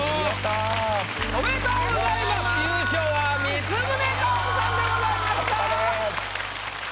おめでとうございます優勝は光宗薫さんでございました。